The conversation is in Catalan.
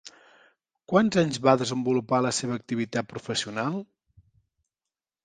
Quants anys va desenvolupar la seva activitat professional?